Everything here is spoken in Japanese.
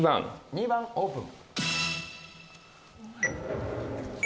１番オープン。